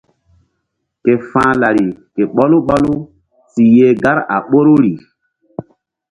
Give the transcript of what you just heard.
Ke fa̧h lari ke ɓɔlu ɓɔlu si yeh gar a ɓoruri.